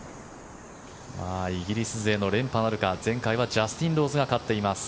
イギリス勢の連覇あるか前回はジャスティン・ローズが勝っています。